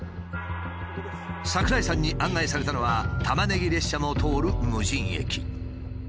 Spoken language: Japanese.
櫻井さんに案内されたのはタマネギ列車も通る無人駅。